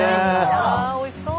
あおいしそう。